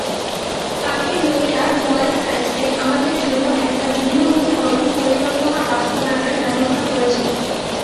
পাপির লোকেরা বয়েল হাইটসে আমাদের জন্য একটা ভিন্নমুখীকরণ পরিকল্পনা বাস্তবায়নের ব্যবস্থা করছে।